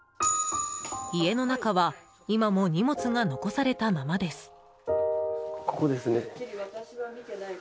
家の中は今も荷物が残されたままです。